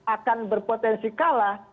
akan berpotensi kalah